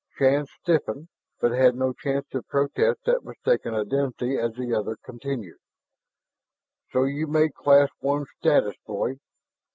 Shann stiffened but had no chance to protest that mistaken identification as the other continued: "So you made class one status, boy!